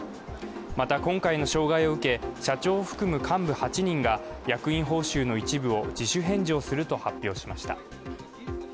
また、今回の障害を受け、社長を含む幹部８人が役員報酬の一部を自主返上すると発表しました。